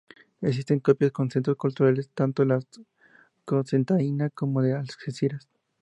Existen copias en centros culturales tanto de Cocentaina como de Algeciras.